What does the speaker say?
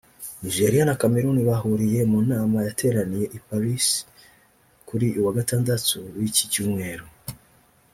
Nigeria na Cameroun bahuriye mu nama yateraniye i Paris kuri uyu wa Gatandatu w’iki cyumweru